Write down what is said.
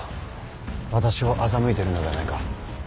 私を欺いているのではないか。